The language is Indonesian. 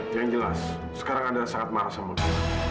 yang jelas sekarang anda sangat marah sama dia